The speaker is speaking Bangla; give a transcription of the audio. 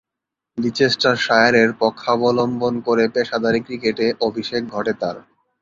লিচেস্টারশায়ারের পক্ষাবলম্বন করে পেশাদারী ক্রিকেটে অভিষেক ঘটে তার।